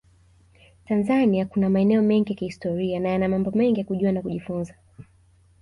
Tanzania kuna maeneo mengi ya kihistoria na yana mambo mengi ya kujua na kujifunza